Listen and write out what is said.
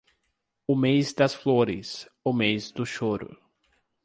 O mês das flores, o mês do choro.